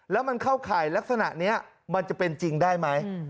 แล้วมันเข้าข่ายลักษณะนี้มันจะเป็นจริงได้ไหม